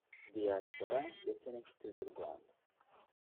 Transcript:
Diaspora ndetse n’inshuti z’u Rwanda